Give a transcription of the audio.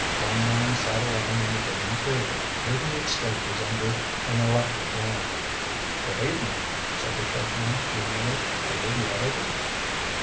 One man sat alone in the dim interior, reading exchanges under an electric lamp. "Good evening," said the short man genially. "Are you the editor?"